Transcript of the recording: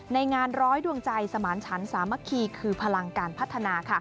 ในงานร้อยดวงใจสมานฉันสามัคคีคือพลังการพัฒนา